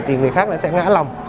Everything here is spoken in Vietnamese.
thì người khác lại sẽ ngã lòng